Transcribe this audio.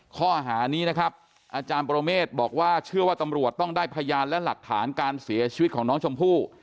ข้อหานี้นะครับอาจารย์ปรเมฆบอกว่าเชื่อว่าตำรวจต้องได้พยานและหลักฐานการเสียชีวิตของน้องชมพู่